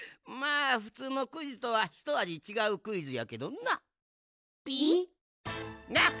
まあふつうのクイズとはひとあじちがうクイズやけどな。